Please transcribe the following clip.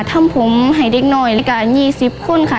ทำผมให้เด็กหน่อยกับ๒๐คนค่ะ